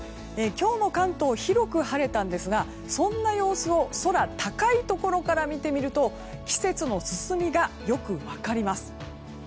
今日も関東広く晴れたんですがそんな様子を空高いところから見てみると季節の進みがよく分かります。